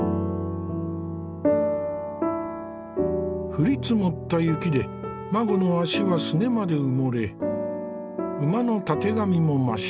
降り積もった雪で馬子の足はすねまで埋もれ馬のたてがみも真っ白。